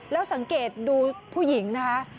แล้วสังเกตดูผู้หญิงนะคะ